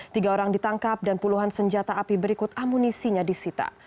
tiga orang ditangkap dan puluhan senjata api berikut amunisinya disita